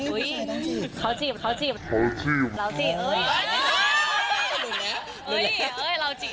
อุ้ยเขาจีบเขาจีบ